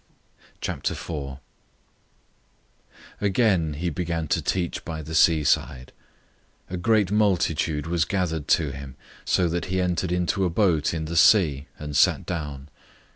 004:001 Again he began to teach by the seaside. A great multitude was gathered to him, so that he entered into a boat in the sea, and sat down.